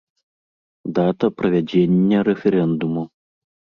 Дата правядзення рэферэндуму.